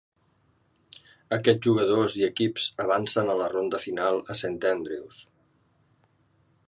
Aquests jugadors i equips avancen a la ronda final a Saint Andrews.